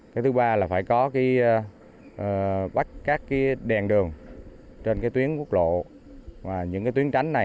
cái thứ ba là phải có bắt các đèn đường trên tuyến quốc lộ những tuyến tránh này